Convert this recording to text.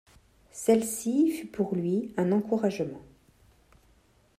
Celle-ci fut pour lui un encouragement.